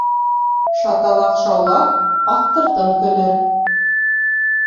Шаталаҡ шаулар, аҫтыртын көлөр.